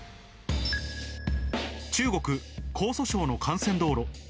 中国・江蘇省の幹線道路。